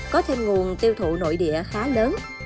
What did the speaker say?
có thêm nguồn tiêu thụ nội địa khá lớn